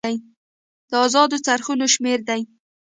د ازادو څرخونو شمیر دی.